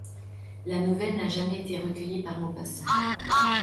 La nouvelle n'a jamais été recueillie par Maupassant.